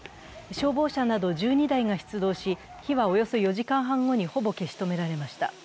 消防車など１２台が出動し火はおよそ４時間半後に、ほぼ消し止められました。